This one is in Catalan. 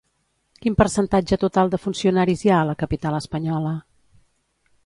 Quin percentatge total de funcionaris hi ha a la capital espanyola?